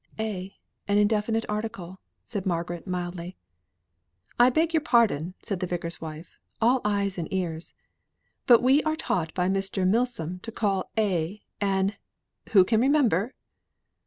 "A, an indefinite article," said Margaret, mildly. "I beg your pardon," said the Vicar's wife, all eyes and ears; "but we are taught by Mr. Milsome to call 'a' an who can remember?"